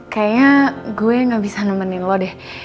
kayaknya gue gak bisa nemenin lo deh